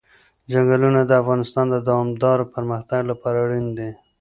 چنګلونه د افغانستان د دوامداره پرمختګ لپاره اړین دي.